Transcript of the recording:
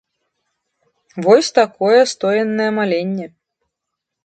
Вось такое стоенае маленне.